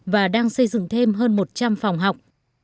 và đang xây dựng thêm hơn một trăm linh phòng học